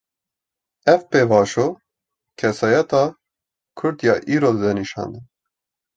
Ev pêvajo, kesayeta Kurd ya îro dide nîşandan